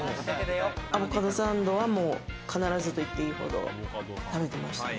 アボカドサンドは必ずと言っていいほど食べてましたね。